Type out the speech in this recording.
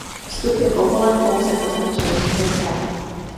Vstup je povolen pouze po značených cestách.